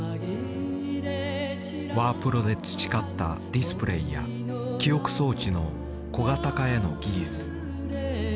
ワープロで培ったディスプレーや記憶装置の小型化への技術。